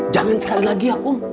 jangan sekali lagi ya kum